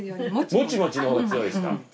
モチモチのほうが強いですか。